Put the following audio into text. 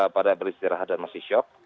pada beristirahat dan masih shock